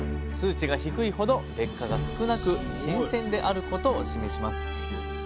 数値が低いほど劣化が少なく新鮮であることを示します。